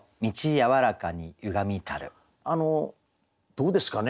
どうですかね？